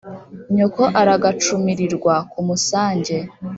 \ nyoko ) aragacu mirirwa ku musange :